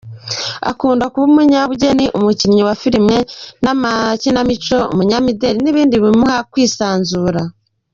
Akunda kuba umunyabugeni, umukinnyi wa film n’amakinamico, umunyamideli n’ibindi bimuha kwisanzura.